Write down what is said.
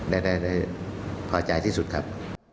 ได้ได้ได้พอใจที่สุดครับ